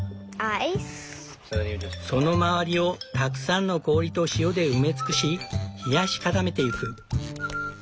その周りをたくさんの氷と塩で埋め尽くし冷やし固めてゆく。